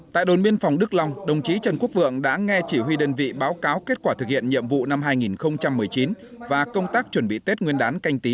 tại đồn biên phòng đức long đồng chí trần quốc vượng đã nghe chỉ huy đơn vị báo cáo kết quả thực hiện nhiệm vụ năm hai nghìn một mươi chín và công tác chuẩn bị tết nguyên đán canh tí hai nghìn hai mươi